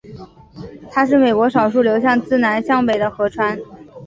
它是美国少数流向自南向北的河川。